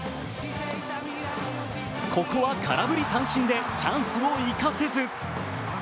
ここは空振り三振でチャンスを生かせず。